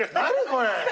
これ。